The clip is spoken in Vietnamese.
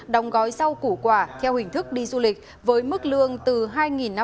đồng gói sau củ quả theo hình thức đi du lịch